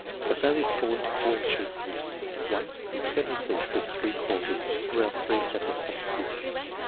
The failures fall into four chief groups: (1) Sentences with three clauses (or else three separate sen tences).